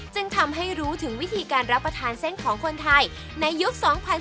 จึงทำให้รู้ถึงวิธีการรับประทานเส้นของคนไทยในยุค๒๐๑๙